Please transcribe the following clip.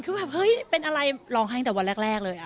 คือแบบเฮ้ยเป็นอะไรร้องไห้ตั้งแต่วันแรกเลย